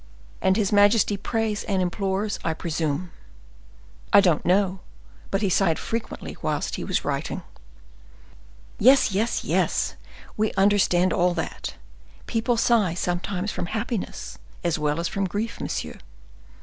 And his majesty prays and implores, I presume." "I don't know, but he sighed frequently whilst he was writing." "Yes, yes, yes; we understand all that; people sigh sometimes from happiness as well as from grief, monsieur."